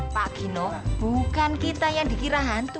pak gino bukan kita yang dikira hantu